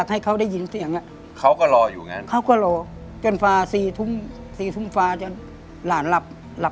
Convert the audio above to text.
พอเขากลับ